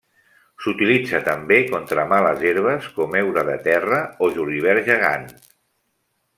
S'utilitza també contra males herbes com heura de terra o julivert gegant.